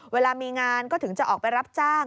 เวลามีงานก็ถึงจะออกไปรับจ้าง